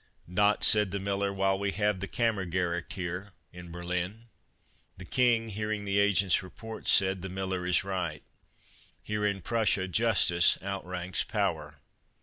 "Not," said the miller, " while we have the Kammer gericht here in Berlin." The King, hearing the agent's report, said :•• The miller is right ; here in Prussia Justice outranks Power."